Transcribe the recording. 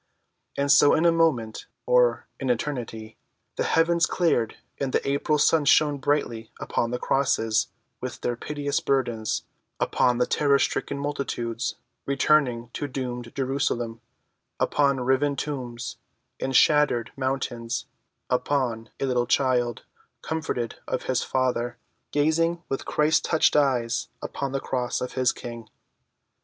And so in a moment—or an eternity—the heavens cleared and the April sun shone brightly upon the crosses with their piteous burdens, upon the terror‐stricken multitudes returning to doomed Jerusalem, upon riven tombs and shattered mountains, upon a little child, comforted of his Father, gazing with Christ‐touched eyes upon the cross of his King.